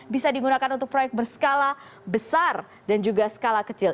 bisa digunakan untuk proyek berskala besar dan juga skala kecil